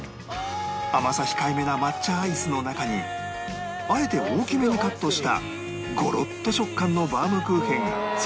甘さ控えめな抹茶アイスの中にあえて大きめにカットしたゴロッと食感のバウムクーヘンが存在感を放つ